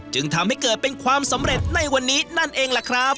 จึงทำให้เกิดเป็นความสำเร็จในวันนี้นั่นเองล่ะครับ